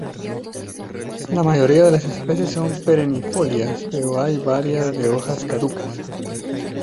La mayoría de las especies son perennifolias pero hay varias de hojas caducas.